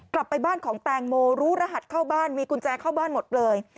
กลับไปบ้านของแตงโมรู้รหัสเข้าบ้านมีกุญแจเข้าบ้านหมดเลย